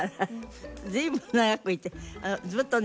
随分長くいてずっとね